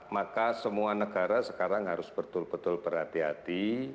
maka semua negara sekarang harus betul betul berhati hati